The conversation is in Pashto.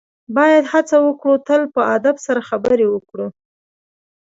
باید هڅه وکړو تل په ادب سره خبرې وکړو.